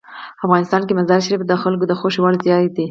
افغانستان کې مزارشریف د خلکو د خوښې وړ ځای دی.